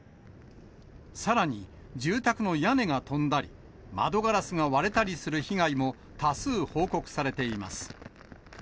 さらに、住宅の屋根が飛んだり、窓ガラスが割れたりする被害も多数報告されています。